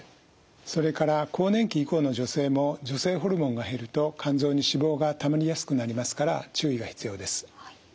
それから更年期以降の女性も女性ホルモンが減ると肝臓に脂肪がたまりやすくなりますから注意が必要です。